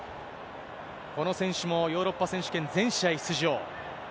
この選手もヨーロッパ選手権全試合出場。